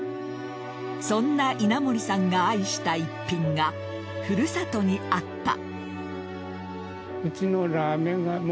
そんな稲盛さんが愛した一品が古里にあった。